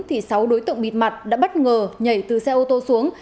thì sáu đối tượng bịt mặt đã bất ngờ nhảy từ xe ô tô xuống